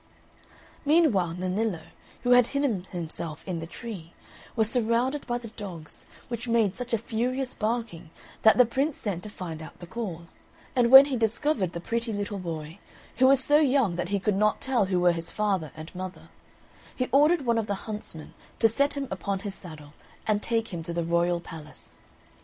Meantime Nennillo, who had hidden himself in the tree, was surrounded by the dogs, which made such a furious barking that the Prince sent to find out the cause; and when he discovered the pretty little boy, who was so young that he could not tell who were his father and mother, he ordered one of the huntsmen to set him upon his saddle and take him to the royal palace.